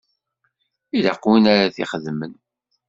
Ilaq win ara t-ixedmen.